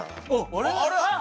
あれ？